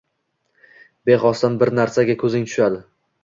Bexosdan bir narsaga ko’zing tushadi